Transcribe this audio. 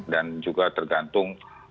dan juga tergantung